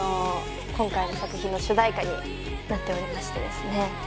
今回の作品の主題歌になっておりましてですね